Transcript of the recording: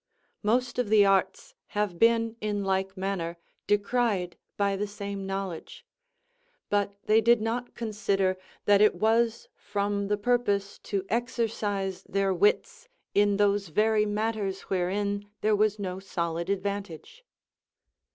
Most of the arts have been in like manner decried by the same knowledge; but they did not consider that it was from the purpose to exercise their wits in those very matters wherein there was no solid advantage.